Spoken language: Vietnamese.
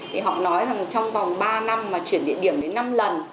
thì họ nói rằng trong vòng ba năm mà chuyển địa điểm đến năm lần